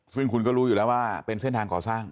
ซึ่งคุณก็รู้อยู่แล้วว่าเป็นเส้นทางก่อสร้าง